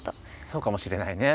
そうかもしれないね。